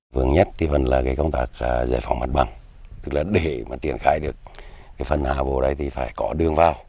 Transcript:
vương nhất là công tác giải phóng mặt bằng để triển khai được phần nào vô đây thì phải có đường vào